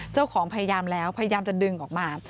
เจ้าของพยายามแล้วพยายามจะดึงออกมา